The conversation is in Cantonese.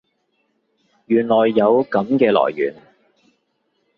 原來有噉嘅來源